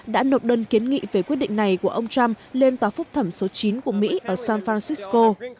đã nộp đơn kiến nghị về quyết định này của ông trump lên tòa phúc thẩm số chín của mỹ ở san francisco